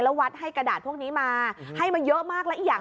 แล้ววัดให้กระดาษพวกนี้มาให้มาเยอะมากแล้วอีกอย่าง